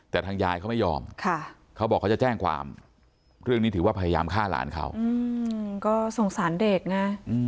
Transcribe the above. แต่ทางยายเขาไม่ยอมเขาบอกเขาจะแจ้งความเรื่องนี้ถือว่าพยายามฆ่าหลานเขาก็สงสารเด็กนะ